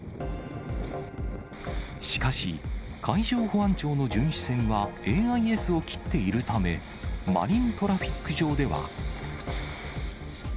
しかし、海上保安庁の巡視船はＡＩＳを切っているため、マリントラフィック上では。